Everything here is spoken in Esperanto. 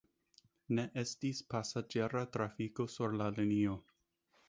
Ne estis pasaĝera trafiko sur la linio.